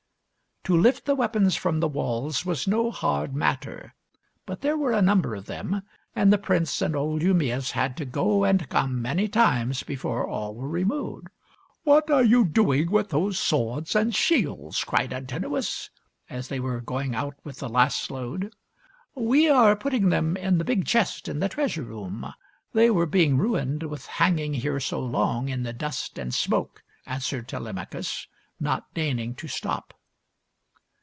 To lift the weapons from the walls was no hard matter ; but there were a number of them, and the PENELOPE'S WEB 167 prince and old Eumaeus had to go and come many times before all were removed. " What are you doing with those swords and shields ?" cried Antinous, as they were going out with the last load. " We are putting them in the big chest in the treasure room. They were being ruined with hang ing here so long in the dust and smoke," answered Telemachus, not deigning to stop.